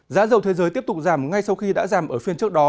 giá dầu thế giới tiếp tục giảm ngay sau khi đã giảm ở phiên trước đó